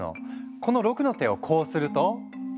この「６」の手をこうすると。